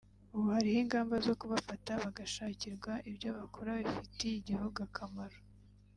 ubu hariho ingamba zo kubafata bagashakirwa ibyo bakora bifitiye igihugu akamaro